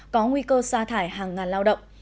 có nguy cơ xa thải hàng ngàn lao động